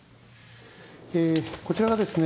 えぇこちらがですね